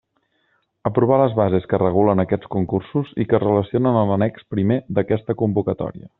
Aprovar les bases que regulen aquests concursos i que es relacionen en l'annex primer d'aquesta convocatòria.